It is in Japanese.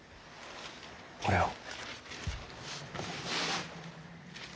これを。